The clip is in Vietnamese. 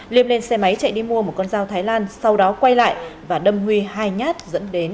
liêm lên xe máy chạy đi mua một con dao thái lan sau đó quay lại và đâm huy hai nhát dẫn đến